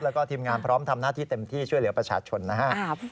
แล้วก็ทีมงานพร้อมทำหน้าที่เต็มที่ช่วยเหลือประชาชนนะครับ